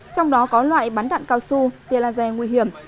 trong đó có loại bắn đạn cao su tiên la dè nguy hiểm